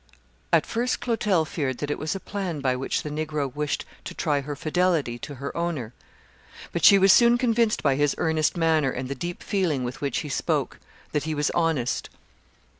At first Clotel feared that it was a plan by which the Negro wished to try her fidelity to her owner; but she was soon convinced by his earnest manner, and the deep feeling with which he spoke, that he was honest.